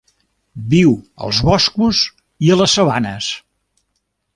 Viu als boscos i a les sabanes.